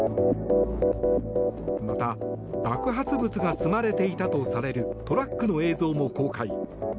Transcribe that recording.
また、爆発物が積まれていたとされるトラックの映像も公開。